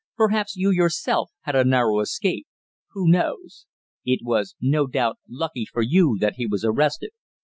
"Perhaps you, yourself, had a narrow escape. Who knows? It was no doubt lucky for you that he was arrested."